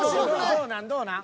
どうなんどうなん？